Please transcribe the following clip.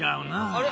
あれ？